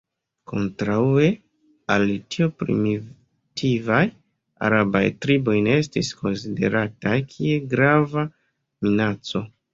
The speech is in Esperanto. Kontraŭe al tio primitivaj arabaj triboj ne estis konsiderataj kiel grava minaco.